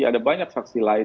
ada banyak saksi lain